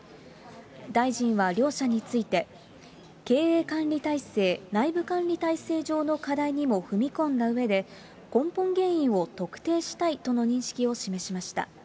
大臣は両社について、経営管理体制、内部管理体制上の課題にも踏み込んだうえで、根本原因を特定したいとの認識を示しました。